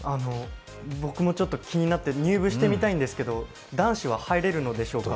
僕も気になって、入部してみたいんですけど男子は入れるのでしょうか？